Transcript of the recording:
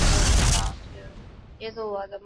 笏形蕈珊瑚为蕈珊瑚科蕈珊瑚属下的一个种。